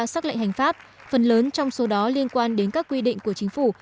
một mươi ba sắc lệnh hành pháp phần lớn trong số đó liên quan đến các quy định của chính phủ